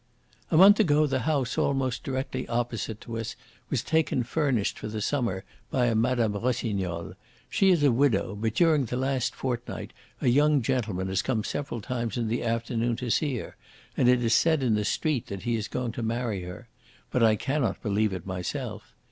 "A month ago the house almost directly opposite to us was taken furnished for the summer by a Mme. Rossignol. She is a widow, but during the last fortnight a young gentleman has come several times in the afternoon to see her, and it is said in the street that he is going to marry her. But I cannot believe it myself.